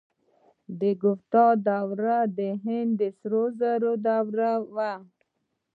د ګوپتا دوره د هند د سرو زرو دوره وه.